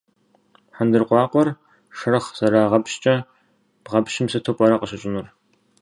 Хьэндыркъуакъуэр шэрхъ зэрагъэпщкӏэ бгъэпщым сыту пӏэрэ къыщыщӏынур?